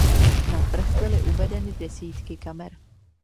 Na trh byly uvedeny desítky kamer.